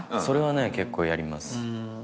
それはね結構やります。